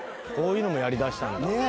こういうのもやりだしたんだ。